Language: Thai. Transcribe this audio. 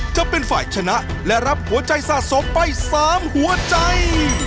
จะเป็นฝ่ายชนะและรับหัวใจสะสมไป๓หัวใจ